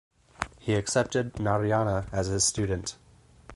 He accepted Narayana as his student.